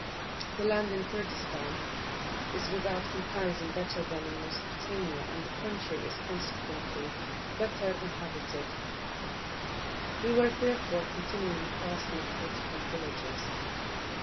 The land in Kurdistan is without comparison better than in Mesopotamia, and the country is consequently better inhabited; we were, therefore continually passing through different villages.